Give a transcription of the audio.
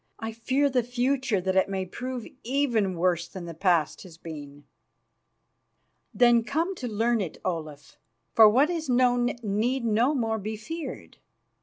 I fear the future, that it may prove even worse than the past has been." "Then come to learn it, Olaf, for what is known need no more be feared."